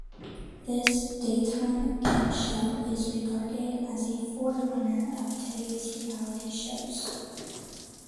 This daytime "game show" is regarded as a forerunner of today's reality shows.